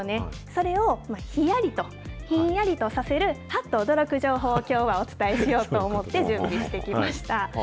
それをヒヤリと、ひんやりとさせる、ハット驚く情報をきょうはお伝えしようと思って準備してきました。